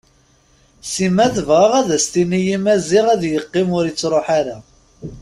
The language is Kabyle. Sima tebɣa ad as-tini i Maziɣ ad yeqqim ur yettruḥ ara.